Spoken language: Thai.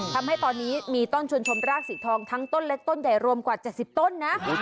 ทำให้ตอนนี้มีต้นชวนชมรากสีทองทั้งต้นเล็กต้นใหญ่รวมกว่า๗๐ต้นนะ